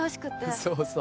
そうそう。